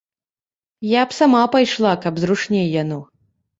Я сама б пайшла, каб зручней яно.